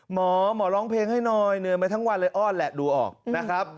หมอหมอร้องเพลงให้หน่อยเหนื่อยไปทั้งวันเลยอ้อนแหละดูออกนะครับ